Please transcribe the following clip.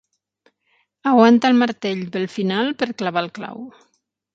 Aguanta el martell pel final per clavar el clau.